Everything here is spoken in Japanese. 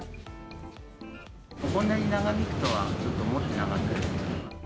こんなに長引くとは、ちょっと思ってなかったです。